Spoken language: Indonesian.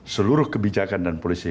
seluruh kebijakan dan polisi